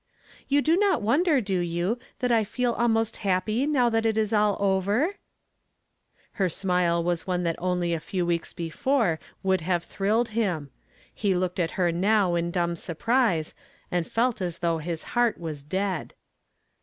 You do not wonder, do you, that I feel almost happy now that it is all over ?" Her smile was one that only a hw weeks be' jve would have thrilled him. He looked at her now in dumb surprise, and felt as though his heart was dead.